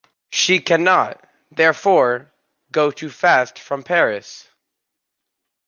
She cannot, therefore, go too fast from Paris.